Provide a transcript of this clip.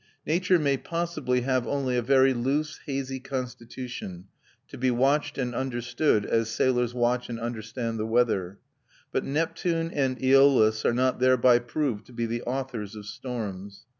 Nature may possibly have only a very loose hazy constitution, to be watched and understood as sailors watch and understand the weather; but Neptune and Æolus are not thereby proved to be the authors of storms.